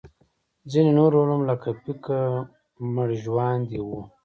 ځینې نور علوم لکه فقه مړژواندي وو.